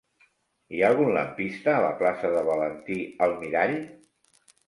Hi ha algun lampista a la plaça de Valentí Almirall?